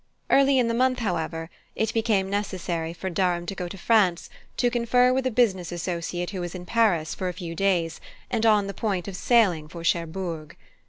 Early in the month, however, it became necessary for Durham to go to France to confer with a business associate who was in Paris for a few days, and on the point of sailing for Cherbourg.